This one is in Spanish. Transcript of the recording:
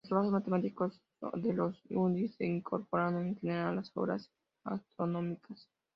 Los trabajos matemáticos de los hindúes se incorporaron en general a las obras astronómicas.